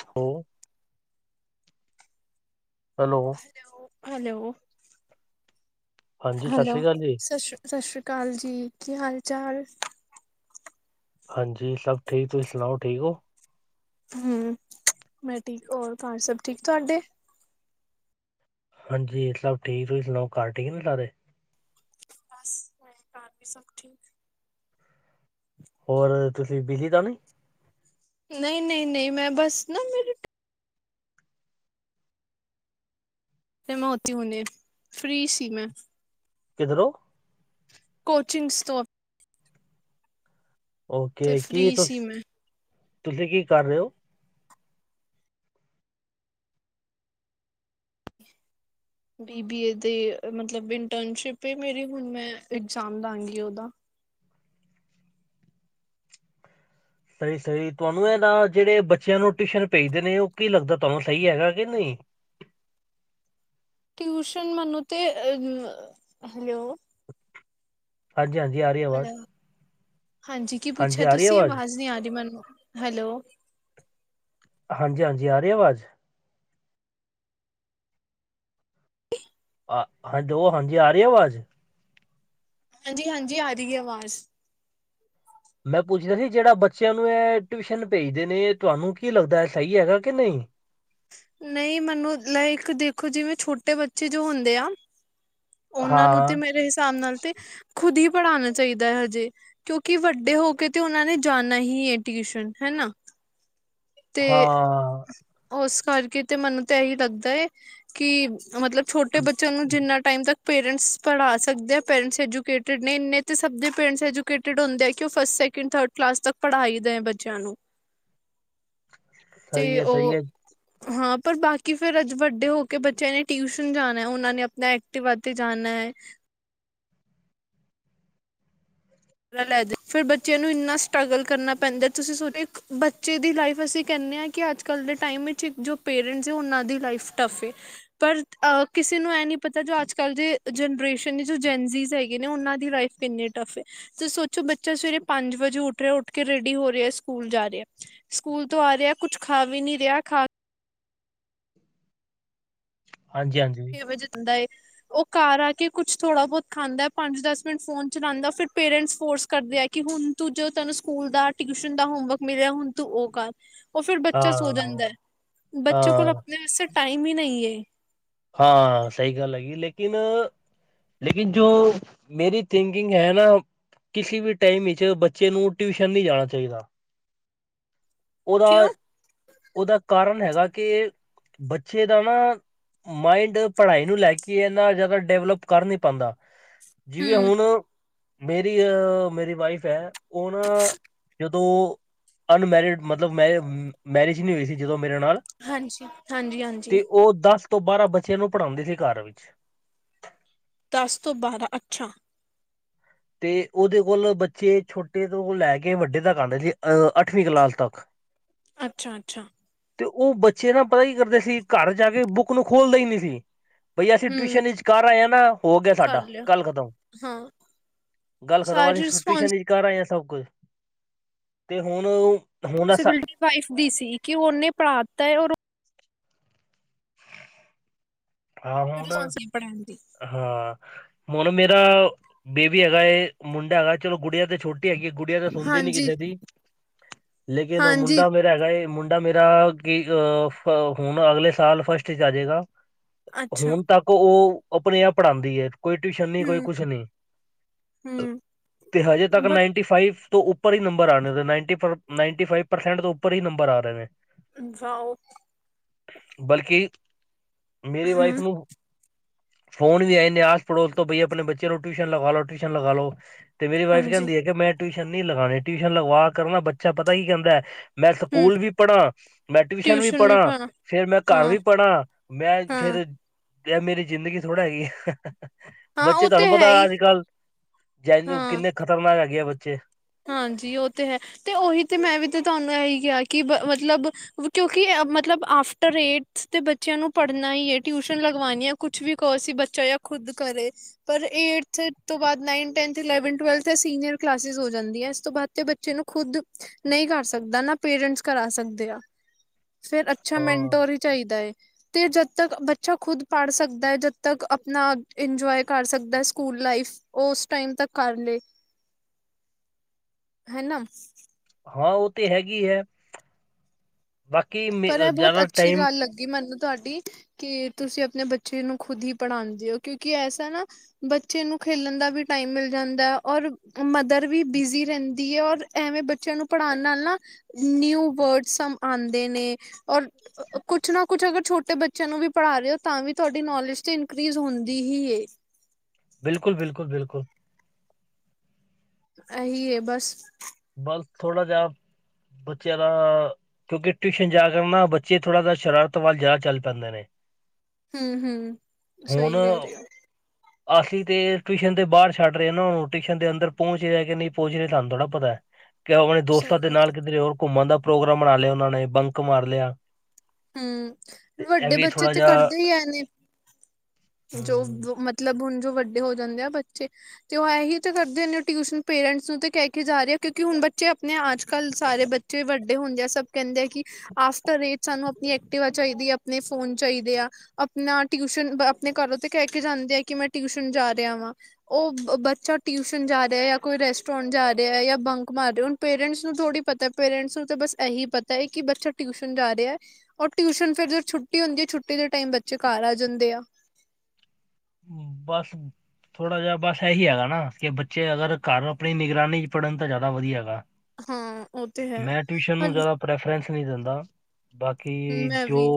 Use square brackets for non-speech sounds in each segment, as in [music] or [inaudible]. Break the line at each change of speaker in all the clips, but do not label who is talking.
Hello, hello,
hello, hello,
ਹਾਂਜੀ ਸ਼੍ਰੀ ਅਕਾਲ ਜੀ
ਸਤਿ ਸ਼੍ਰੀ ਅਕਾਲ। ਸਤਿ ਸ਼੍ਰੀ ਅਕਾਲ ਜੀ। ਕੀ ਹਾਲ- ਚਾਲ।
ਹਾਂਜੀ। ਸਭ ਠੀਕ। ਤੁਸੀਂ ਸੁਣਾਓ ਠੀਕ ਹੋ?
ਹੂ, ਮੈਂ ਠੀਕ ਹੋਰ ਭ- ਸਭ ਠੀਕ ਤੁਹਾਡੇ?
ਹਾਂਜੀ। ਸਭ ਠੀਕ। ਤੁਸੀਂ ਸੁਣਾਓ ਘਰ ਠੀਕ ਨੇ ਸਾਰੇ?
ਬਸ, ਘਰ ਵੀ ਸਭ ਠੀਕ।
ਹੋਰ ਤੁਸੀਂ ਬਿਜੀ ਤਾਂ ਨਹੀਂ।
ਨਹੀਂ- ਨਹੀਂ- ਨਹੀਂ ਮੈਂ ਬਸ ਨਾ ਮੇ ਫ ਮੈਂ ਹੋਤੀ ਹੁਣ ਫ੍ਰਰੀ ਸੀ ਮੈਂ।
ਕਿਧਰੋਂ।
ਕੋਚਿੰਗ ਸ ਤੋਂ ਤੇ
ਓਕੇ, ਕੀ
ਫ੍ਰਰੀ ਸੀ ਮੈਂ।
ਤੁਸੀ ਕੀ ਕਰ ਰਹੇ ਹੋ?
ਬੀ ਬੀ ਏ ਦੇ, ਮਤਲਬ ਇੰਟਰਨਸ਼ਿਪ ਮੇਰੀ ਹੁਣ, ਮੈ ਇਗਜਾਮ ਦਵਾਂਗੀ ਉਹਦਾ।
ਸਹੀ -ਸਹੀ ਤੁਹਾਨੂੰ ਇਹ ਨਾ ਜਿਹੜੇ ਬੱਚਿਆਂ ਨੂੰ ਟਿਊਸ਼ਨ ਭੇਜਦੇ ਨੇ ਉਹ ਕੀ ਲੱਗਦਾ ਤੁਹਾਨੂੰ ਸਹੀ ਹੈਗਾ ਕਿ ਨਹੀ।
ਟਿਊਸ਼ਨ ਮਨੋ ਤੇ ਹੈਲੋ,
ਹਾਂਜੀ- ਹਾਂਜੀ ਆ ਰਹੀ ਆਵਾਜ਼।
ਹੈਲੋ, ਹਾਂਜੀ। ਕੀ ਪੁੱਛਿਆ ਤੁਸੀ ਆਵਾਜ਼ ਨਹੀ ਆ ਰਹੀ ਮੈਨੂੰ। ਹੈਲੋ,
ਹਾਂਜੀ- ਹਾਂਜੀ ਆ ਰਹੀ ਆਵਾਜ਼। ਆ। ਹਾਂ, ਹਾਂਜੀ। ਆ ਰਹੀ ਆਵਾਜ਼।
ਹਾਂਜੀ- ਹਾਂਜੀ ਆ ਰਹੀ ਹੈ ਆਵਾਜ਼।
ਮੈਂ ਪੁੱਛੇਦਾ ਸੀ ਜਿਹੜਾ ਬੱਚਿਆਂ ਨੂੰ ਇਹ ਟਿਊਸ਼ਨ ਭੇਜਦੇ ਨੇ ਤੁਹਾਨੂੰ ਕੀ ਲੱਗਦਾ ਸਹੀ ਹੈਗਾ ਕਿ ਨਹੀ।
ਨਹੀ, ਮੈਨੂੰ ਦੇਖੋ ਜਿਵੇਂ ਛੋਟੇ ਬੱਚੇ ਜੋ ਹੁੰਦੇ ਆ ਉਹਨਾਂ ਨੂੰ ਤੇ
ਹਾਂ
ਮੇਰੇ ਹਿਸਾਬ ਨਾਲ ਤੇ ਖੁਦ ਹੀ ਪੜ੍ਹਾਉਣਾ ਚਾਹੀਦਾ ਹੈ। ਹਜੇ ਕਿਉਕਿ ਵੱਡੇ ਹੋ ਕੇ ਤੇ ਉਹਨਾਂ ਨੇ ਜਾਣਾ ਹੀ ਹੈ ਟਿਊਸ਼ਨ ਹੈਨਾ
ਹਾਂ।
ਉਸ ਕਰਕੇ ਤੇ ਮੈਨੂੰ ਤੇ ਇਹੀ ਲੱਗਦਾ ਹੈ ਕਿ ਮਤਲਬ ਛੋਟੇ ਬੱਚਿਆਂ ਨੂੰ ਜਿੰਨਾ ਟਾਈਮ ਤੱਕ ਪੇਰੈਂਟਸ ਪੜ੍ਹਾ ਸਕਦੇ ਆ, ਪੇਰੈਂਟਸ ਐਜੂਕੇਟਿ ਨੇ ਇਨੇ ਤਾਂ ਸਭ ਪੇਰੈਂਟਸ ਜੂਕੇਟਿਡ ਹੁੰਦੇ ਆ ਕਿ ਉਹ ਫਸਟ ਸ ਥਰਡ ਕਲਾਸ ਤੱਕ ਪੜ੍ਹਾਈ ਦਾ, ਬੱਚਿਆਂ ਨੂੰ
[inaudible] ਸਹੀ
ਤੇ
ਹੈ ਸਹੀ
ਉਹ
ਹੈ
ਹਾਂ, ਪਰ ਬਾਕੀ ਫੇਰ ਅੱਜੇ ਵੱਡੇ ਹੋ ਕੇ ਬੱਚਿਆਂ ਨੇ ਟਿਊਸ਼ਨ ਜਾਣਾ ਉਹਨਾਂ ਨੇ ਆਪਣਾ ਵਡੇ ਹੋਕੇ ਤੇ ਜਾਣਾ ਹੈ। ਲੈਦੇ, ਫਿਰ ਬੱਚਿਆਂ ਨੂੰ ਇਨਾ ਸਟਗਲ ਕਰਨਾ ਪੈਂਦਾ ਤੁਸੀ ਸੋਚ ਬੱਚੇ ਦੀ ਲਾਈਫ ਅਸੀ ਕਹਿਦੇ ਹਾਂ ਕਿ ਅਜ-ਕਲ ਦੇ ਟਾਈਮ ਵਿਚ ਜੋ ਪੇਰੈਂਟਸ ਉਹਨਾਂ ਦੀ ਲਾਈਫ ਟਫ ਹੇ। ਪਰ ਅਹ ਕਿਸੇ ਨੂੰ ਇਹ ਨੀ ਪਤਾ ਜੋ ਅਜ-ਕਲ ਦੇ ਜਨਰੇਸ਼ਨ ਨੇ ਜੋ ਜੈਨਜੀਜ਼ ਹੈਗੇ ਨੇ ਉਹਨਾਂ ਦੀ ਲਾਈਫ ਕਿਨੇ ਟਫ ਏ, ਤੇ ਸੋਚੋ ਬੱਚਾ ਸਵੇਰੇ ਪੰਜ ਵਜੇ ਉਠ ਰਿਹਾ ਉਠ ਕੇ ਰੈਡੀ ਹੋ ਰਿਹਾ ਸਕੂਲ ਜਾ ਰਿਹਾ। ਸਕੂਲ ਤੋਂ ਆ ਰਿਹਾ ਕੁਛ ਖਾ ਵੀ ਨੀ ਰਿਹਾ ਖਾ
ਹਾਂਜੀ-ਹਾਂਜੀ
ਵੇ ਜਿਨਂਦਾ ਏ- ਉਹ ਘਰ ਆ ਕੇ ਕੁਛ ਥੋੜ੍ਹਾ-ਬਹੁਤ ਖਾਂਦਾ, ਪੰਜ-ਦਸ ਮਿੰਟ ਫੋਨ ਚਲਾਉਦਾ ਫਿਰ ਪੇਰੈਂਟਸ ਫੋਰਸ ਕਰਦੇ ਆ ਕਿ ਹੁਣ ਤੂੰ ਜੋ ਤੈਨੂੰ ਸਕੂਲ ਦਾ, ਟਿਊਸ਼ਨ ਦਾ ਹੋਮਵਰਕ ਮਿਲਿਆ ਹੁਣ ਤੂੰ ਉਹ ਕਰ। ਉਹ ਫਿਰ ਬੱਚਾ ਸੋ
ਹਾਂ
ਜਾਂਦਾ ਹੈ, ਬੱਚੇ ਕੋਲ
ਹਾਂ
ਆਪਣੇ ਵਾਸਤੇ ਟਾਈਮ ਹੀ ਨਹੀਂ ਏ।
ਹਾਂ, ਸਹੀ ਗੱਲ ਹੈਗੀ ਲੇਕਿਨ ਲੇਕਿਨ ਜੋ ਮੇਰੀ ਥਿੰਕਿੰਗ ਹੈਨਾ ਕਿਸੇ ਵੀ ਟਾਈਮ ਵਿੱਚ ਬੱਚੇ ਨੂੰ ਟਿਊਸ਼ਨ ਨਹੀਂ ਜਾਣਾ ਚਾਹੀਦਾ।
ਕਿਉਂ
ਉਹਦਾ-ਉਹਦਾ ਕਾਰਨ ਹੈਗਾ ਕਿ ਬੱਚੇ ਦਾ ਨਾ ਮਾਇੰਡ ਪੜ੍ਹਾਈ ਨੂੰ ਲੈ ਕੇ ਇਹਨਾ ਜ਼ਿਆਦਾ ਡਿਵਲਪ ਕਰ ਨੀ ਪਾਉਂਦਾ। ਜਿਵੇਂ
ਹਮ।
ਹੁਣ ਮੇਰੀ ਅ ਮੇਰੀ ਵਾਈਫ ਹੈ ਉਹ ਨਾ ਜਦੋਂ ਅਨਮੈਰਿਡ ਮਤਲਬ ਮੈ ਮੈਰਿਜ ਨਹੀਂ ਹੋਈ ਸੀ ਜਦੋਂ ਮੇਰੇ ਨਾਲ
ਹਾਂਜੀ ਹਾਂਜੀ ਹਾਂਜੀ
ਤੇ ਉਹ ਦਸ ਤੋਂ ਬਾਰਾਂ ਬੱਚਿਆਂ ਨੂੰ ਪੜ੍ਹਾਉਦੇ ਸੀ ਘਰ ਵਿਚ।
ਦਸ ਤੋਂ ਬਾਰਾਂ ਅਛਾ
ਤੇ ਉਹਦੇ ਕੋਲ ਬੱਚੇ ਛੋਟੇ ਤੋਂ ਲੈ ਕੇ ਵੱਡੇ ਤੱਕ ਆਦੇ ਜੇ। ਅੱਠਵੀਂ ਕਲਾਸ ਤੱਕ।
ਅੱਛਾ ਅੱਛਾ
ਤੇ ਉਹ ਬੱਚੇ ਨਾ ਪਤਾ ਹੀ ਕਰਦੇ ਸੀ, ਘਰ ਜਾ ਕੇ ਬੁੱਕ ਨੂੰ ਖੋਲਦੇ ਹੀ ਨਹੀ ਸੀ। ਬਈ ਅਸ
ਹਮ।
ਟਿਊਸ਼ਨ ਵਿਚ ਕਰ ਆਏ ਹਾਂ ਨਾ, ਹੋ ਗਿਆ
ਕਰ
ਸਾਡਾ
ਲਿਆ
ਗਲ ਖਤਮ।
ਹਾਂ
ਗੱਲ ਖਤਮ ਆਜ
ਸਾਰੀ
ਟੂਸ਼ਨ ਵਿੱਚ
ਰਿਸਪੋਂਸਿਬਿਲਿਟੀ
'ਚ ਕਰ ਆਏ ਆ ਸਭ ਕੁਛ ਤੇ ਹੁਣ ਹੁਣ ਅਸਾਂ
ਰਿਸਪੋਂਸਬਿਲਿਟੀ ਵਾਈਫ ਦੀ ਸੀ ਕਿ ਉਹਨੇ ਪੜਾ ਦਿੱਤਾ ਹੈ ਔਰ
ਆਹ ਹੁਣ
ਰਿਸਪੋਂਸ ਪੜ੍ਹਾਉਣ ਦੀ
ਹਾਂ, ਹੂਣ ਮੇਰਾ ਬੇਬੀ ਹੈਗਾ ਮੁੰਡਾ ਹੈਗਾ ਚਲੋ ਗੁੜੀਆਂ ਤੇ ਛੋਟੀੇ ਹੈਗੀ ਗੁੜੀਆਂ ਤਾਂ ਸੁਣਦੀ ਨੀ
ਹਾਂਜੀ
ਕਿਸੇ ਦੀ ਲੇਕਿਨ
ਹਾਂਜੀ
ਮੁੰਡਾ ਮੇਰਾ ਹੈਗਾ ਏ ਮੁੰਡਾ ਮੇਰਾ ਕੀ ਅ ਹੁਣ ਅਗਲੇ ਸਾਲ ਫਸਟ ਚ ਆ ਜੇਗਾ।
ਅੱਛਾ
ਹੁਣ ਤੱਕ ਉਹ ਆਪਣੇ-ਆਪ ਪੜ੍ਹਾਉਂਦੀ ਹੈ। ਕੋਈ ਟਿਊਸ਼ਨ ਨਹੀਂ ਕੋਈ
ਹਮ
ਕੁਛ ਨਹੀਂ
ਹਮ।
ਤੇ ਹਜੇ ਤੱਕ
ਬ
ਨਾਈਨਟੀ ਫਾਈਵ ਉੱਪਰ ਹੀ ਨੰਬਰ ਆ ਰਹੇ ਨਾਇਨਟੀ ਫਾਇਫ ਤੋਂ ਉੱਪਰ ਹੀ ਨੰਬਰ ਆ ਰਹੇ ਨੇ।
ਅੱਛਾ ਔ
ਬਲਕਿ ਮੇਰੀ ਵਾਈਫ
ਹੂੰ
ਨੂੰ ਫੋਨ ਵੀ ਆਏ ਨੇ ਆਸ-ਪੜੋਸ ਤੋਂ ਬਈ ਆਪਣੇ ਬੱਚਿਆਂ ਨੂੰ ਟਿਊਸ਼ਨ ਲਗਾ ਲੋ, ਟਿਊਸ਼ਨ ਲਗਾ ਲੋ। ਤੇ ਮੇਰੀ ਵਾਈਫ
ਹਾਂਜੀ
ਕਹਿੰਦੀ ਹੈ ਕਿ ਮੈਂ ਟਿਊਸ਼ਨ ਨਹੀਂ ਲਗਾਉਣੀ, ਟਿਊਸ਼ਨ ਲਗਵਾ ਕਰ ਨਾ ਬੱਚਾ ਪਤਾ ਹੀ ਕਹਿੰਦਾ ਹੈ? ਮੈਂ
ਹੂੰ
ਸਕੂਲ ਵੀ ਪੜਾ ਮੈਂ ਟਿਊਸ਼ਨ ਵੀ ਪੜਾ ਫੇਰ ਮੈਂ ਘਰ
ਹਾਂ
ਵੀ ਪੜਾ ਮੈਂ।
ਹਾਂ
ਫੇਰ ਮੇਰੀ ਜ਼ਿੰਦਗੀ ਥੋੜਾ ਹੈਗੀ ਆ।
ਹਾਂ
ਬੱਚੇ
ਉਹ ਤੇ
ਤੁਹਾਨੂੰ
ਹੈ
ਪਤਾ
ਹੀ
ਅੱਜ ਕੱਲ ਜੈ
ਹਾਂ
ਕਿੰਨੇ ਖ਼ਤਰਨਾਕ ਹੈਗੇ ਆ ਬੱਚੇ।
ਹਾਂਜੀ ਉਹ ਤੇ ਹੈ ਤੇ ਉਹੀ ਤੇ ਮੈਂ ਵੀ ਤੇ ਤੁਹਾਨੂੰ ਇਹੀ ਕਿਹਾ ਕਿ ਬ ਮਤਲਬ। ਕਿਉਂਕਿ ਮਤਲਬ ਆਫਟਰ ਏਟ ਤੇ ਬੱਚਿਆਂ ਨੂੰ ਪੜ੍ਹਨਾ ਹੀ ਹੈ ਟਿਊਸ਼ਨ ਲਗਵਾਣੀ ਹੈ। ਕੁਛ ਵੀ ਕਹੋਸੀ ਬੱਚਾ ਜਾਂ ਖੁਦ ਕਰੇ। ਪਰ ਏਟਥ ਤੋਂ ਬਾਅਦ nine tenth eleven twelfth ਐ ਸੀਨੀਅਰ ਕਲਾਸਿਸ ਹੋ। ਜਾਂਦੀ ਹੈ ਇਸ ਤੋਂ ਬਾਅਦ ਤੇ ਬੱਚੇ ਨੂੰ ਖੁਦ। ਨਹੀਂ ਕਰ ਸਕਦਾ ਨਾ ਪੇਰੈਂਟਸ ਕਰਾ ਸਕਦੇ ਆ ਫੇਰ ਅੱਛਾ
ਹਾਂ
ਮੈਂਟੋਰ ਹੀ ਚਾਹੀਦਾ ਹੈ। ਤੇ ਜਦ ਤੱਕ ਬੱਚਾ ਖੁਦ ਪੜ੍ਹ ਸਕਦਾ ਹੈ ਜਦ ਤੱਕ ਆਪਣਾ ਇੰਜੋਏ ਕਰ ਸਕਦਾ ਸਕੂਲ ਲਾਈਫ। ਉਹ ਉਸ ਟਾਈਮ ਤਕ ਕਰ ਲਏ। ਹੈਨਾ।
ਹਾਂ ਉਹ ਤੇ ਹੈਗੀ ਹੈ। ਬਾਕੀ ਮੇ-
ਪਰ ਇਹ ਬਹੁਤ
ਜ਼ਿਆਦਾ
ਅੱਛੀ
ਟਾਈਮ
ਗੱਲ ਲੱਗੀ ਮੈਨੂੰ ਤੁਹਾਡੀ। ਕਿ ਤੁਸੀਂ ਆਪਣੇ ਬੱਚੇ ਨੂੰ ਖੁਦ ਹੀ ਪੜ੍ਹਾਉਂਦੇ ਹੋ ਕਿਉਂਕਿ ਐਸਾ ਨਾ। ਬੱਚੇ ਨੂੰ ਖੇਲਣ ਦਾ ਵੀ ਟਾਈਮ ਮਿਲ ਜਾਂਦਾ ਹੈ ਔਰ ਮਦਰ ਵੀ ਬਿਜ਼ੀ ਰਹਿੰਦੀ ਹੈ ਔਰ। ਐਵੇਂ ਬੱਚਿਆਂ ਨੂੰ ਪੜ੍ਹਾਉਣ ਨਾਲ ਨਾ ਨਿਊ ਵਰਡ ਸਮ ਆਉਂਦੇ ਨੇ। ਔਰ ਕੁੱਛ ਨਾ ਕੁੱਛ ਅਗਰ ਛੋਟੇ ਬੱਚੇ ਬੱਚਿਆਂ ਨੂੰ ਵੀ ਪੜ੍ਹਾ ਰਹੇ ਹੋ ਤਾਂ ਵੀ ਤੁਹਾਡੀ ਨੌਲੇਜ ਤੇ ਇਨਕਰੀੀਜ਼ ਹੁੰਦੀ ਹੀ ਏ।
ਬਿਲਕੁਲ ਬਿਲਕੁਲ ਬਿਲਕੁਲ।
ਅਹੀ ਏ ਬਸ।
ਬਸ ਥੋੜ੍ਹਾ ਜਾ ਬੱਚੇਆਂ ਦਾ ਕਿਉਂਕਿ ਟਿਸ਼ਨ ਜਾ ਕਰ ਨਾਲ ਬੱਚੇ ਥੋੜਾ ਜ ਸ਼ਰਾਰਤ ਵੱਲ ਜਾਆ ਚੱਲ ਪੈਂਦੇ ਨੇ।
ਹੁੰ ਹੁੰ
ਹੁਣ
ਸਈ ਕੈ ਰੇ ਔ।
[inaudible] ਅਸੀਂ ਤੇ ਟਿਵੀਸ਼ਨ ਦੇ ਬਾੱਰ ਛੱਡ ਰੇਨਾ। ਔ ਟਿਵੀਸ਼ਨ ਦੇ ਅੰਦਰ ਪੋੰਚ ਰਿਆ ਕੇ ਨਈ ਪੋਂਚ ਰਿਆ ਸਾਨੂੰ ਥੋੜ੍ਹਾ ਪਤਾ ਐ। ਕਿ ਆਪਣੇ ਦੋਸਤਾਂ
ਸਹੀ
ਦੇ
ਗੱਲ
ਨਾਲ
ਹੈ।
ਕਿਧਰੇ ਹੋਰ ਘੁੰਮਣ ਦਾ ਪ੍ਰੋਗਰਾਮ ਬਣਾ ਲਿਆ। ਉਹਨਾਂ ਨੇ ਬੰਕ ਮਾਰ ਲਿਆ। ਤੇ
ਹੁੰ
ਇਹ
ਵੱਡੇ
ਵੀ
ਬੱਚੇ
ਥੋੜ੍ਹਾ
ਤੇ
ਜਿਹਾ
ਕਰਦੇ ਹੀ ਐ ਨੇ। ਜੋ
ਹੂੰ
ਮਤਲਬ ਹੁਣ ਜੋ ਵੱਡੇ ਹੋ ਜਾਂਦੇ ਆ ਬੱਚੇ। ਤੇ ਔ ਅਹੀ ਤਾਂ ਕਰਦੇ ਨੇ। ਟਿਊਸ਼ਨ ਪੇਰੈਂਟਸ ਨੂੰ ਤੇ ਕੈ ਕੇ ਜਾ ਰੇ ਆ ਕਿਉਂਕਿ ਹੁਣ ਬੱਚੇ ਆਪਣੇ ਆ। ਅੱਜ ਕੱਲ੍ਹ ਸਾਰੇ ਬੱਚ। ਜ ਵੱਡੇ ਹੁੰਦੇ ਆ ਸਭ ਕਹਿੰਦੇ ਆ ਕਿ। ਆਫਟਰ ਏਜ ਸਾਨੂੰ ਆਪਣੀ ਐਕਟੀਵਾ ਚਾਹੀਦੀ ਆ ਆਪਣੇ ਫੋਨ ਚਾਹੀਦੇ ਆ ਆਪਣਾ ਟਿਊਸ਼ਨ। ਘਰੋਂ ਤੇ ਕਹਿ ਕੇ ਜਾਂਦੇ ਆ ਕਿ ਮੈਂ ਟਿਊਸ਼ਨ ਜਾ ਰਿਹਾ ਵਾਂ। ਉਹ ਬੱਚਾ ਟਿਊਸ਼ਨ ਜਾ ਰਿਹਾ ਜਾਂ ਕੋਈ ਰੈਸਟੋਰੈਂਟ ਜਾ ਰਿਹਾ ਜਾਂ ਬੰਕ ਮਾਰ ਰਿਹਾ। ਪੇਰੈਂਟਸ ਨੂੰ ਥੋੜੀ ਪਤਾ ਹੈ ਪੇਰੈਂਟਸ ਨੂੰ ਤਾਂ ਬਸ ਇਹੀ ਪਤਾ ਹੈ ਕਿ ਬੱਚਾ ਟਿਊਸ਼ਨ ਜਾ ਰਿਹਾ ਹੈ। ਰ ਟਿਊਸ਼ਨ ਫੇਰ ਜ ਛੁੱਟੀ ਹੁੰਦੀ ਆ ਛੁੱਟੀ ਦੇ ਟਾਈਮ ਬੱਚੇ ਘਰ ਆ ਜਾਂਦੇ ਆ।
ਬਸ। ਥੋੜਾ ਜਿਹਾ ਬਸ ਇਹੀ ਹੈਗਾ ਨਾ ਕਿ ਬੱਚੇ ਅਗਰ ਘਰ ਆਪਣੀ ਨਿਗਰਾਨੀ ਚ ਪੜ੍ਹਨ ਤਾਂ ਜ਼ਿਆਦਾ ਵਧੀਆ ਹੈਗਾ।
ਹਾਂ ਉਹ ਤੇ ਹੈ
ਮੈਂ ਟਿਊਸ਼ਨ
ਪਰ
ਨੂੰ ਜ਼ਿਆਦਾ ਪ੍ਰੈਫਰੈਂਸ ਨਹੀਂ ਦਿੰਦਾ ਬਾਕੀ
ਮੈਂ
ਜੋ
ਵੀ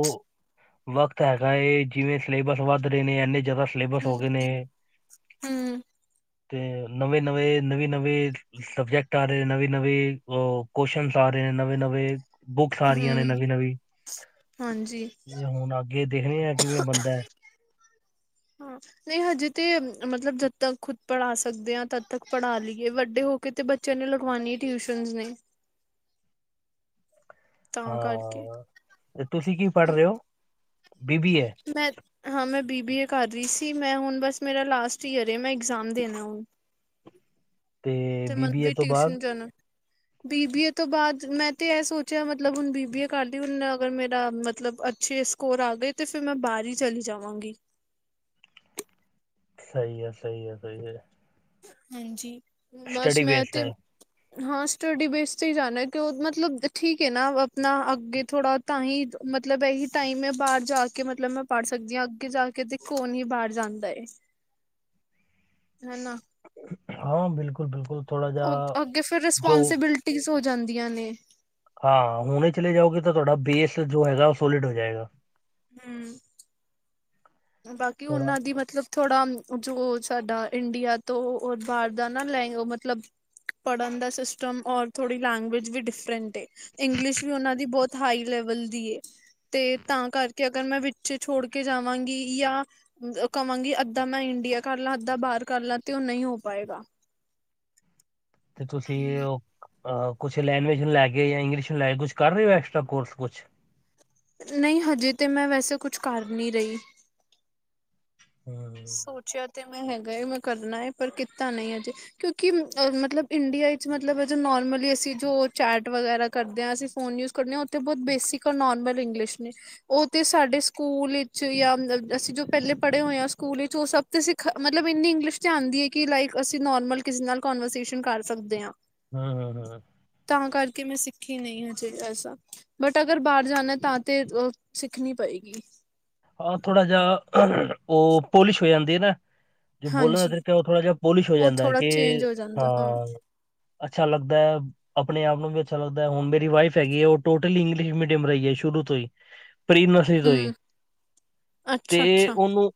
ਵਕਤ ਹੈਗਾ ਏ ਜਿਵੇਂ ਸਿਲੇਬਸ ਵੱਧ ਰਹੇ ਨੇ ਇੰਨੇ ਜਿਆਦਾ। ਸਿਲੇਬਸ
ਹੂੰ
ਹੋ ਗਏ ਨੇ। ਤੇ ਨਵੇਂ ਨਵੇਂ ਨਵੀਂ ਨਵੇਂ ਸਬਜੈਕਟ ਆ ਰਹੇ ਨਵੀਂ ਨਵੀਂ ਉਹ। ਕੁਸ਼ਨ ਆ ਰਹੇ ਨੇ ਨਵੇਂ ਨਵੇਂ ਬੁਕਸ ਆ ਰਹੀਆਂ ਨੇ
ਹੂੰ
ਨਵੀਂ ਨਵੀਂ।
ਹਾਂਜੀ
ਯਾਂ ਹੁਣ ਅੱਗੇ ਦੇਖਣੇ ਆ ਕਿਵੇਂ ਬੰਨਦਾ ਐ।
ਹਾਂ। ਨਹੀਂ ਹਜੇ ਤੇ ਮਤਲਬ ਜਦ ਤੱਕ ਖੁਦ ਪੜ੍ਹਾ ਸਕਦੇ ਆਂ ਤਦ ਤੱਕ ਪੜ੍ਹਾ ਲੀਏ। ਵੱਡੇ ਹੋ। ਕਿਤੇ ਬੱਚਿਆਂ ਨੇ ਲਿਗਵਾਉਣੀ ਟਿਊਸ਼ਨ ਨੇ। ਤਾਂ ਕਰਕੇ
ਹਾਂ ਤੇ ਤੁਸੀਂ ਕੀ ਪੜ੍ਹ ਰੇ ਹੋ ਬੀਬੀਏ।
ਮੈਂ ਹਾਂ ਮੈਂ ਬੀਬੀਏ ਕਰ ਰੀ ਸੀ। ਮੈਂ ਹੁਣ ਬਸ ਮੇਰਾ ਲਾਸਟ ਈਅਰ ਏ ਮੈਂ ਇਗਜ਼ਾਮ ਦੇਣਾ ਹੁਣ। ਤੇ
ਬੀਬੀਏ
ਮਨਪ੍ਰੀਤ
ਤੋਂ ਬਾਅਦ
ਟਿਊਸ਼ਨ ਜਾਣਾ। ਬੀਬੀਏ ਤੋਂ ਬਾਅਦ ਮੈਂ ਤੇ ਐ ਸੋਚਿਆ, ਮਤਲਬ ਹੁਣ ਬੀਬੀਏ ਕਰ ਲੀ। ਹੁਨ ਅਗਰ ਮੇਰਾ ਮਤਲਬ ਛੇ, ਸਕੋਰ ਆ ਗਏ ਤੇ ਫਿਰ ਮੈਂ ਬਾਹਰ ਹੀ ਚਲੀ ਜਾਵਾਂਗੀ।
ਸਈ ਐ, ਸਈ ਐ, ਸਈ ਐ।
ਹਾਂਜੀ, ਬਸ ਮੈਂ
ਬੇਸਡ
ਤੇ।
ਹੈ
ਹਾਂ, ਸਟੱਡੀ ਬੇਸ, ਤੇ ਈ ਜਾਣਾ ਕਿ, ਔ ਮਤਲਬ ਠੀਕ ਏ ਨਾ, ਆਪਣਾ ਅੱਗੇ ਥੋੜ੍ਹਾ। ਤਾਂ ਹੀ, ਮਤਲਬ ਇਹੀ ਟਾਈਮ ਮੈ ਬਾਹਰ ਜਾ ਕੇ। ਮਤਲਬ ਮੈਂ ਪੜ੍ਹ ਸਕਦੀ ਆਂ ਅੱਗੇ ਜਾ ਕੇ, ਤੇ ਕੌਣ ਹੀ ਬਾਰ ਜਾਂਦਾ?
[inaudible]
ਹਨਾ।
ਹਾਂ, ਬਿਲਕੁਲ, ਬਿਲਕੁਲ। ਥੋੜਾ
ਓਕੇ,
ਜਿਹਾ
ਓਕੇ ਫਿਰ
ਜੋ
ਰਿਸਪੋਂਸੀਬਿਲਟੀਜ਼ ਹੋ ਜਾਂਦੀਆਂ ਨੇ।
ਹਾਂ, ਹੁਣੇ ਚਲੇ ਜਾਓਗੇ। ਤਾਂ ਤੁਹਾਡਾ ਬੇਸ ਜੋ ਹੈਗਾ, ਸੋਲਿਡ ਹੋ ਜਾਏਗਾ।
ਹੁੰ। ਬਾਕੀ,
ਥੋੜਾ
ਉਨਾਂ ਦੀ ਮਤਲਬ। ਥੋੜ੍ਹਾ, ਜੋ ਸਾਡਾ ਇੰਡੀਆ ਤੋਂ ਬਾਹਰ ਦਾ ਨਾ, ਲੈਂ ਉਹ ਮਤਲਬ ਪੜ੍ਹਨ ਦਾ ਸਿਸਟਮ ਔਰ ਥੋੜ੍ਹੀ ਲੈਂਗਵੇਜ ਵੀ ਡਿਫਰੈਂਟ ਏ। ਇੰਗਲਿਸ਼ ਵੀ ਔਨਾਂ ਦੀ ਬਹੁਤ। ਹਾਈ ਲੈਵਲ ਦੀ ਏ ਤੇ ਤਾਂ ਕਰਕੇ, ਅਗਰ ਮੈਂ ਵਿੱਚੇ ਛੋੜ ਕੇ ਜਾਵਾਂਗੀ। ਜਾਂ ਕਵਾਂਗੀ, ਅੱਧਾ ਮੈਂ ਇੰਡੀਆ ਕਰ ਲਾਂ, ਅੱਧਾਂ ਬਾਹਰ ਕਰ ਲਾਂ, ਤੇ ਔ ਨਹੀ ਹੋ ਪਾਏਗਾ।
ਤੇ ਤੁਸੀਂ
ਤਾਂ ਹੀ
ਉਹ। ਅ, ਕੁਛ ਲੈਂਗਵੇਜ ਨੂੰ ਲੈ ਕੇ ਜਾਂ ਇੰਗਲਿਸ਼ ਨੂੰ ਲੈ ਕੇ ਕੁਛ ਕਰ ਰਹੇ ਹੋ? ਐਕਸਟਰਾ ਕੋਰਸ, ਕੁਛ?
ਨਹੀਂ, ਹਜੇ ਤਾਂ ਮੈਂ ਵੈਸੇ ਕੁਛ ਕਰ ਨੀ ਰਈ।
[inaudible]
ਸੋਚਿਆ ਤੇ ਮੈਂ ਹੈਗਾ ਏ ਮੈਂ ਕਰਨਾ ਹੈ ਪਰ ਕੀਤਾ ਨਹੀਂ ਮੈ ਅਜੇ ਕਿਉਂਕਿ ਮਤਲਬ ਇੰਡੀਆ ਵਿੱਚ ਮਤਲਬ ਜੋ ਨੋਰਮਲੀ ਅਸੀਂ ਜੋ ਚੈਟ ਵਗੈਰਾ ਕਰਦੇ ਹਾਂ ਅਸੀਂ ਫੋਨ ਯੂਜ ਨੇ ਉਹ ਤੇ ਬਹੁਤ ਬੇਸਿਕ ਨੋਰਮਲ ਇੰਗਲਿਸ਼ ਨੇ। ਉਹ ਤੇ ਸਾਡੇ ਸਕੂਲ ਵਿੱਚ ਜਾਂ ਅਸੀਂ ਜੋ ਪਹਿਲੇ ਪੜ੍ਹੇ ਹੋਏ ਹਾਂ। ਸਕੂਲ ਵਿੱਚ ਉਹ ਸਭ ਤਾਂ ਸਿਖ ਮਤਲਬ ਇੰਨੀ ਇੰਗਲਿਸ਼ ' ਆਉਂਦੀ ਹੈ। ਕਿ ਲਾਈਕ ਅਸੀਂ ਨੋਰਮਲ ਕਿਸੇ ਨਾਲ ਕਨਵਰਸੇਸ਼ਨ ਕਰ ਸਕਦੇ ਹਾਂ।
ਹਾਂ ਹਾਂ ਹਾਂ।
ਤਾਂ ਕਰਕੇ ਮੈਂ ਸਿੱਖੀ ਨਹੀਂ ਹਜੇ ਐਸਾ। ਬਟ, ਅਗਰ ਬਾਰ ਜਾਣਾ ਤਾਂ ਤੇ ਸਿੱਖਣੀ ਪਏਗੀ।
ਹਾਂ, ਥੋੜਾ ਜਿਹਾ ਉਹ ਪੋਲਿਸ਼ ਹੋ ਜਾਂਦੀ ਹੈ ਨਾ। ਜੋ ਬੋਲਣ ਦਾ
ਹਾਂਜੀ
ਤਰੀਕਾ, ਉਹ ਥੋੜਾ ਜਿਹਾ ਪੋਲਿਸ਼ ਹੋ
ਉਹ
ਜਾਂਦਾ
ਥੋੜਾ
ਕੇ
ਚੇਂਜ ਹੋ ਜਾਂਦਾ
ਹਾਂ। ਅੱਛਾ, ਲੱਗਦਾ ਐ। ਆਪਣੇ ਆਪ ਨੂੰ ਵੀ ਅੱਛਾ ਲੱਗਦਾ ਐ। ਹੁਣ ਮੇਰੀ ਵਾਈਫ ਹੈਗੀ ਏ, ਔ ਟੋਟਲੀ ਇੰਗਲਿਸ਼ ਮੀਡੀਅਮ ਰਈ ਏ, ਸ਼ੁਰੂ ਤੋਂ ਹੀ। [unintelligible] ਤੋਂ ਹੋਈ।
ਹਮ ਅੱਛਾ ਅੱਛਾ
ਤੇ ਉਹਨੂੰ।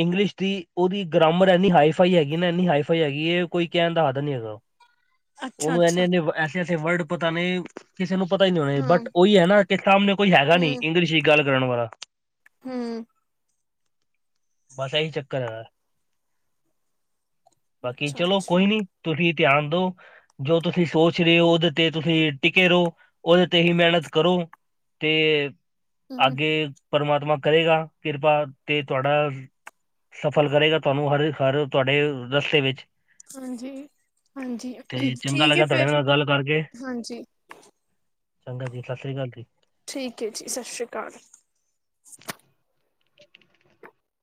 ਇੰਗਲਿਸ਼ ਦੀ ਉਹਦੀ ਗਰੈਮਰ ਐੰਨੀ ਹਾਈ ਫਾਈ ਹੈਗੀ ਨਾ, ਇੰਨੀ ਹਾਈ ਫਾਈ ਹੈਗੀ ਏ, ਕੋਈ ਕਹਿਣ ਦਾ ਹਦ ਨਹੀਂ ਹੈਗਾ।
ਅੱਛਾ
ਉਹਨੂੰ
ਅੱਛਾ
ਏਨੇ-ਏਨੇ, ਐਸੇ-ਐਸੇ ਵਰਡ ਪਤਾ ਨੇ। ਕਿਸੇ ਨੂੰ ਪਤਾ ਹੀ ਨਹੀਂ ਹੋਣਾ,
ਹਾਂ
ਬਟ ਉਹੀ ਹੈ ਨਾ ਕਿ ਸਾਹਮਣੇ ਕੋਈ ਹੈਗਾ ਨੀ ਇੰਗਲਿਸ਼ ਵਿੱਚ ਗੱਲ ਕਰਨ ਵਾਲਾ।
ਹਮ
ਬਸ ਇਹੀ ਚੱਕਰ ਹੈ ਬਾਕੀ
ਅੱਛਾ
ਚਲੋ
ਅੱਛਾ
ਕੋਈ ਨੀ। ਤੁਸੀ ਧਿਆਨ ਦਿਓ। ਜੋ ਤੁਸੀਂ ਸੋਚ ਰਹੇ ਹੋ ਉਹਦੇ ਤੇ ਤੁਸੀਂ ਟਿਕੇ ਰਹੋ ਉਹਦੇ ਤੇ ਹੀ ਮਿਹਨਤ ਕਰੋ। ਤੇ
ਹੂੰ
ਅੱਗੇ ਪਰਮਾਤਮਾ। ਕਰੇਗਾ ਕਿਰਪਾ ਤੇ ਤੁਹਾਡਾ। ਸਫਲ ਕਰੇਗਾ ਤੁਹਾਨੂੰ ਹਰ ਹਰ ਤੁਹਾਡੇ ਰਸਤੇ ਵਿੱਚ।
ਹਾਂਜੀ, ਹਾਂਜੀ,
ਤੇ ਚੰਗਾ
ਠੀਕ ਹੈ
ਲੱਗਾ ਤੁਹਾਡੇ
ਫਿਰ,
ਨਾਲ ਗੱਲ ਕਰਕੇ
ਹਾਂਜੀ।
ਚੰਗਾ ਜੀ, ਸਤਿ ਸ੍ਰੀ ਅਕਾਲ ਜੀ।
ਠੀਕ ਹੈ ਜੀ, ਸਤਿ ਸ਼੍ਰੀ ਅਕਾਲ।